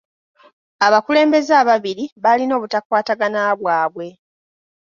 Abakulembeze ababiri baalina obutakwatagana bwabwe.